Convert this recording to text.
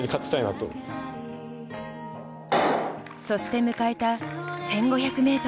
そして迎えた１５００ｍ。